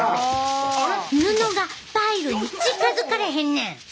布がパイルに近づかれへんねん！